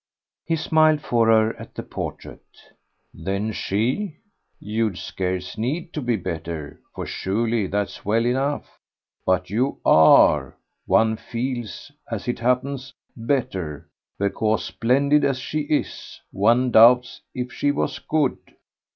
He smiled for her at the portrait. "Than she? You'd scarce need to be better, for surely that's well enough. But you ARE, one feels, as it happens, better; because, splendid as she is, one doubts if she was good."